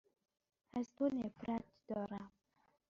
از تو نفرت دارم.